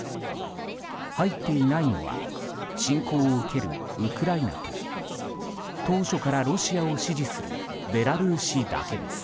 入っていないのは侵攻を受けるウクライナと当初からロシアを支持するベラルーシだけです。